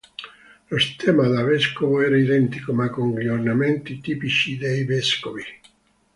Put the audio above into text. Lo stemma da vescovo era identico ma con gli ornamenti tipici dei vescovi.